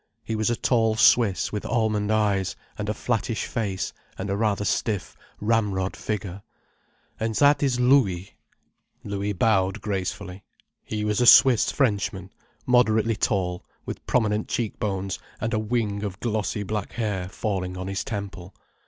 He was a tall Swiss with almond eyes and a flattish face and a rather stiff, ramrod figure. "And that is Louis—" Louis bowed gracefully. He was a Swiss Frenchman, moderately tall, with prominent cheekbones and a wing of glossy black hair falling on his temple.